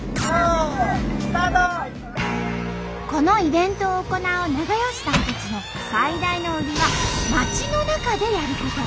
このイベントを行う永芳さんたちの最大の売りは街の中でやること。